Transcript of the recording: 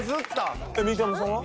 みりちゃむさんは？